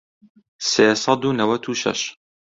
سێ سەد و نەوەت و شەش